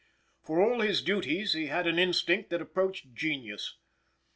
For all his duties he had an instinct that approached genius.